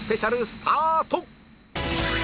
スタート！